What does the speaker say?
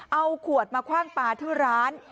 เอาขวดมาคว่างปลาที่ร้าน